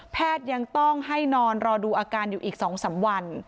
ยังต้องให้นอนรอดูอาการอยู่อีก๒๓วัน